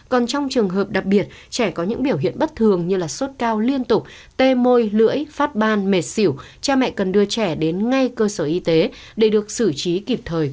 còn trong trường hợp đặc biệt trẻ có những biểu hiện bất thường như sốt cao liên tục tê môi lưỡi phát ban mệt xỉu cha mẹ cần đưa trẻ đến ngay cơ sở y tế để được xử trí kịp thời